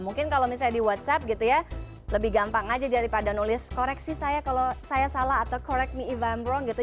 mungkin kalau misalnya di whatsapp gitu ya lebih gampang aja daripada nulis koreksi saya kalau saya salah atau correct me ifaembrong gitu